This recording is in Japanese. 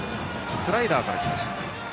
スライダーから来ました。